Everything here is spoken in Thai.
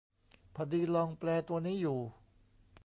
พอดีลองแปลตัวนี้อยู่